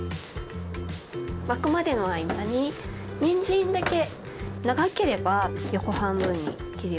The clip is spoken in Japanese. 沸くまでの間ににんじんだけ長ければ横半分に切ります。